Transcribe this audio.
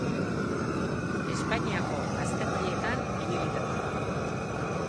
Espainiako gazte mailetan ibilita da.